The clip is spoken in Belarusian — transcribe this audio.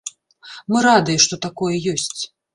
Мы радыя, што такое ёсць.